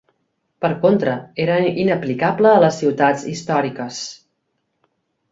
Per contra, era inaplicable a les ciutats històriques.